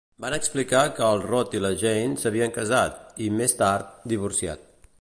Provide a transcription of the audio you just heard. Van explicar que el Rod i la Jane s'havien casat i, més tard, divorciat.